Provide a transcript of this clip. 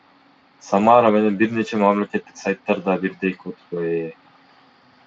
Самара менен бир нече мамлекеттик сайттар бирдей кодго ээ.